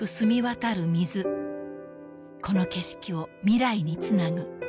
［この景色を未来につなぐ］